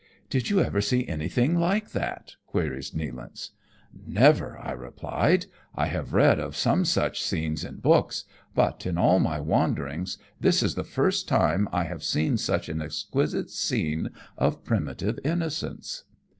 "Did you ever see anything like that?" queries Nealance. ''Never," I reply; "I have read of some such scenes in books, but, in all my wanderings, this is the first time I have seen such an exquisite scene of primitive innocence."